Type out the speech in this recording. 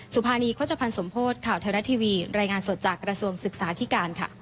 ภานีโฆษภัณฑ์สมโพธิ์ข่าวไทยรัฐทีวีรายงานสดจากกระทรวงศึกษาที่การค่ะ